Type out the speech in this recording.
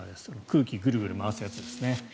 空気をぐるぐる回すやつですね。